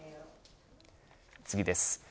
次です。